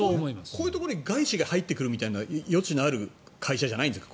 こういうところに外資が入ってくる余地がある会社じゃないんですか？